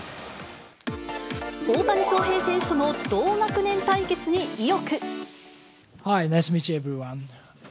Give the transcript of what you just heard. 大谷翔平選手との同学年対決に意欲。